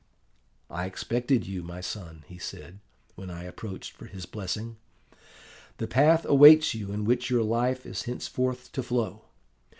"'I expected you, my son,' he said, when I approached for his blessing. 'The path awaits you in which your life is henceforth to flow.